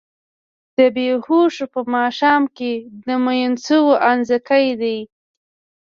د بــــــې هــــــوښو په ماښام کي د مینوشو انځکی دی